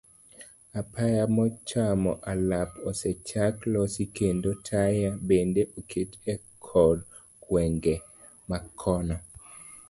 Apaya mochomo alap osechak losi kendo taya bende oket e kor gwenge makono.